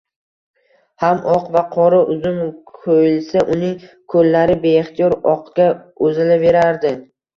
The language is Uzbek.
ham oq va qora uzum ko'yilsa, uning ko'llari beixtiyor oqga uzalaverardi.